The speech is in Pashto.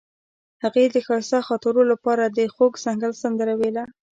هغې د ښایسته خاطرو لپاره د خوږ ځنګل سندره ویله.